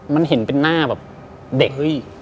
มันเห็นเป็นหน้าแบบเด็กเฮ้ย